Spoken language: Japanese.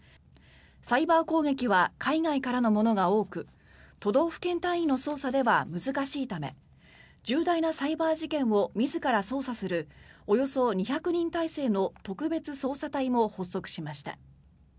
サイバー攻撃は海外からのものが多く都道府県単位の捜査では難しいため重大なサイバー事件を自ら捜査するおよそ２００人体制の特別捜査隊も発足しました。